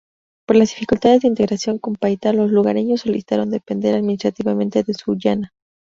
Por las dificultades de integración con Paita, los lugareños solicitaron depender administrativamente de Sullana.